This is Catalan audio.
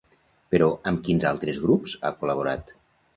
Però amb quins altres grups ha col·laborat?